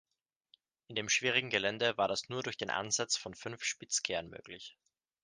In dem schwierigen Gelände war das nur durch den Einsatz von fünf Spitzkehren möglich.